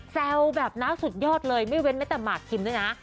แซวแบบน้ำสุดยอดเลยไม่เว้นแต่มาคมนะ